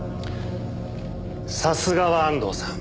さすがは安藤さん。